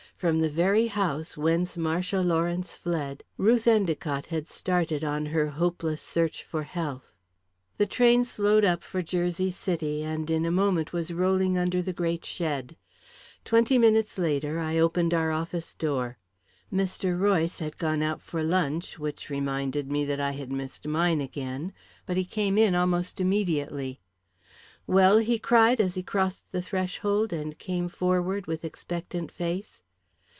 From the very house whence Marcia Lawrence fled, Ruth Endicott had started on her hopeless search for health. The train slowed up for Jersey City, and in a moment was rolling under the great shed. Twenty minutes later, I opened our office door. Mr. Royce had gone out for lunch which reminded me that I had missed mine again but he came in almost immediately. "Well?" he cried, as he crossed the threshold, and came forward with expectant face.